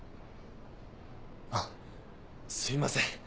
あっすいません